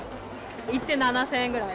いって７０００円ぐらい。